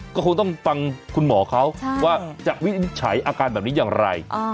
ก็คงต้องฟังคุณหมอเขาว่าจะวินิจฉัยอาการแบบนี้อย่างไร